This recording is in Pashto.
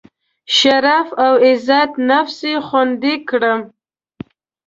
شرف او عزت نفس یې خوندي کړم.